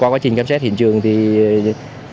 công an huyện cơ đông an na